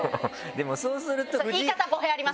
でもそうすると。